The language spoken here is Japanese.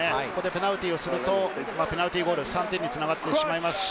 ペナルティーをするとペナルティーゴール、３点につながってしまいます。